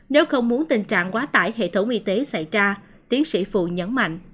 nếu không muốn tình trạng quá tải hệ thống y tế xảy ra tiến sĩ phụ nhấn mạnh